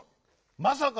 まさか！